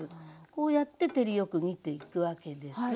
こうやって照りよく見ていくわけです。